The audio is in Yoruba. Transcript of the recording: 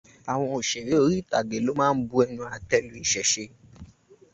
Àwọn òṣèré orítàgé lọ́ má ń bu ẹnú àtẹ́lu ìṣẹṣe.